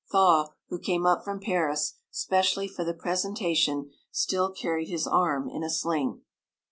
Thaw, who came up from Paris specially for the presentation, still carried his arm in a sling.